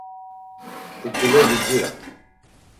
Uǩule vidzirat.